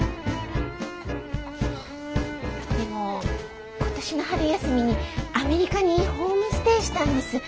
でも今年の春休みにアメリカにホームステイしたんです。